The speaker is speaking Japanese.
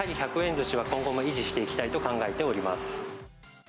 ずしは今後も維持していきたいと考えております。